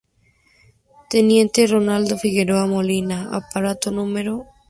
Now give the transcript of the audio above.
Teniente Rolando Figueroa Molina, aparato No.